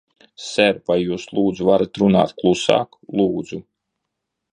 Ser, vai jūs, lūdzu, varat runāt klusāk, lūdzu?